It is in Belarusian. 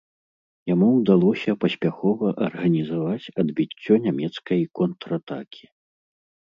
Яму ўдалося паспяхова арганізаваць адбіццё нямецкай контратакі.